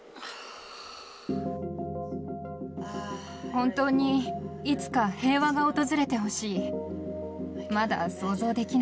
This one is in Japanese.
本当にいつか平和が訪れてほしい。